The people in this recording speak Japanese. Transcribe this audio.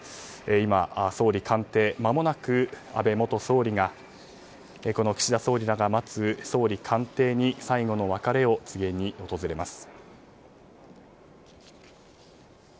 今、総理官邸まもなく安倍元総理がこの岸田総理らが待つ総理官邸に最後の別れを告げに訪れます。